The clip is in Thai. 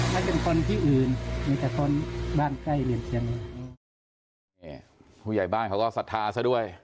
เป็นคนที่อื่นมีแต่คนบ้านใกล้เรือนเคียงนี่ผู้ใหญ่บ้านเขาก็ศรัทธาซะด้วย